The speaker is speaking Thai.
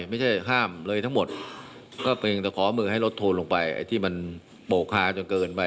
ไม่ใช่ห้ามเลยทั้งหมดก็เพียงแต่ขอมือให้ลดโทนลงไปไอ้ที่มันโปรคาจนเกินไป